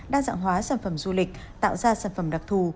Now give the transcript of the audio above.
đa dạng hóa sản phẩm du lịch tạo ra sản phẩm đặc thù